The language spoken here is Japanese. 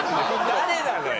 誰なのよ？